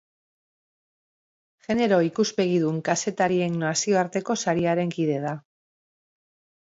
Genero-ikuspegidun Kazetarien Nazioarteko Sariaren kide da.